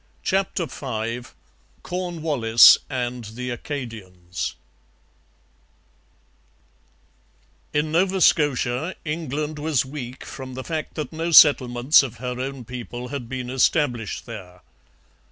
CHAPTER V CORNWALLIS AND THE ACADIANS In Nova Scotia England was weak from the fact that no settlements of her own people had been established there.